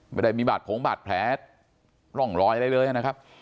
ไม่ได้มีบาดผงบาดแผลร่องรอยอะไรเลยนะครับ